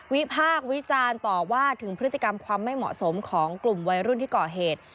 พากษ์วิจารณ์ต่อว่าถึงพฤติกรรมความไม่เหมาะสมของกลุ่มวัยรุ่นที่ก่อเหตุ